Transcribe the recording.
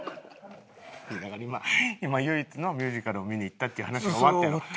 だから今唯一のミュージカルを見に行ったっていう話が終わったやろ？